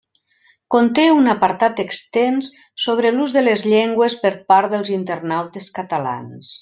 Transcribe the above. Conté un apartat extens sobre l'ús de les llengües per part dels internautes catalans.